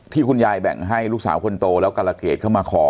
คุณยายแบ่งให้ลูกสาวคนโตแล้วกรเกรดเข้ามาขอ